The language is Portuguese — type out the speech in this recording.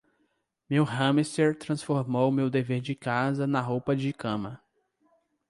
Meu hamster transformou meu dever de casa na roupa de cama.